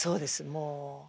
もう。